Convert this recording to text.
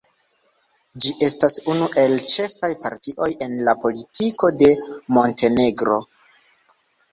Ĝi estas unu el ĉefaj partioj en la politiko de Montenegro.